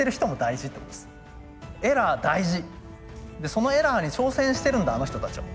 そのエラーに挑戦してるんだあの人たちは。